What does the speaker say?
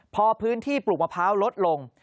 พอพื้นที่ปลูกมะพร้าวลดลง